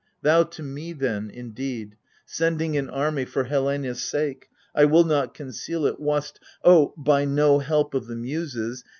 Thou to me, then, indeed, sending an army for Helena's sake, (I will not conceal it) wast — oh, by no help of the Muses